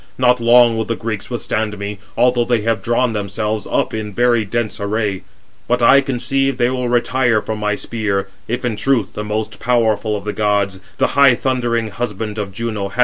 Not long will the Greeks withstand me, although they have drawn themselves up in very dense array. 419 But, I conceive, they will retire from my spear, if in truth the most powerful of the gods, the high thundering husband of Juno, hath urged me on."